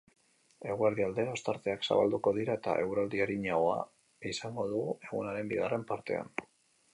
Eguerdi aldera ostarteak zabalduko dira eta eguraldi arinagoa izango dugu egunaren bigarren partean.